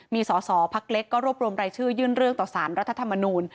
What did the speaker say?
มีสอสอพักเล็กก็รวบรวมรายชื่อยื่นเรื่องต่อสารรัฐธรรมนูล